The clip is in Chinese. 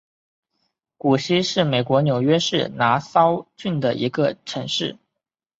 谷溪是美国纽约州拿骚郡的一个城市。